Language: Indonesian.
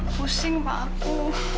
pusing pak aku